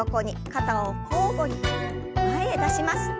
肩を交互に前へ出します。